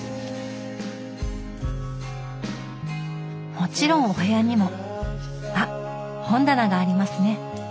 もちろんお部屋にもあっ本棚がありますね。